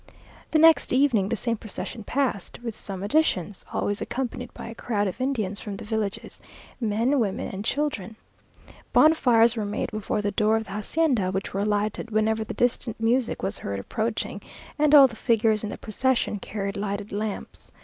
The next evening the same procession passed, with some additions, always accompanied by a crowd of Indians from the villages, men, women, and children. Bonfires were made before the door of the hacienda, which were lighted whenever the distant music was heard approaching, and all the figures in the procession carried lighted lamps.